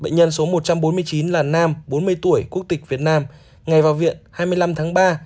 bệnh nhân số một trăm bốn mươi chín là nam bốn mươi tuổi quốc tịch việt nam ngày vào viện hai mươi năm tháng ba